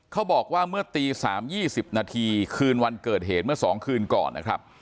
เขาบอกว่าเมื่อตี๓๒๐นาทีคืนวันเกิดเหตุเมื่อ๒คืนก่อนนะครับ